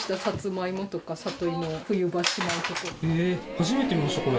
初めて見ましたこれ。